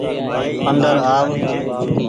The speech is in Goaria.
اندر آو۔